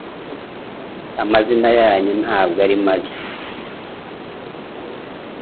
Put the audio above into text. Amazina yanyu ntabwo ari mabi